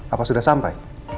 apa sudah sampai